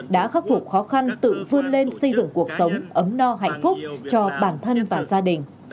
đã khắc phục khó khăn tự vươn lên xây dựng cuộc sống ấm no hạnh phúc cho bản thân và gia đình